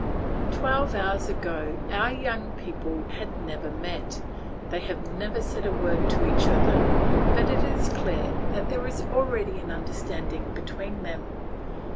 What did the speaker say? Twelve hours ago our young people had never met; they have never said a word to each other; but it is clear that there is already an understanding between them.